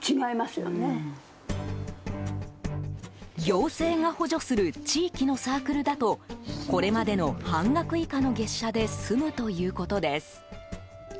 行政が補助する地域のサークルだとこれまでの半額以下の月謝で済むということです。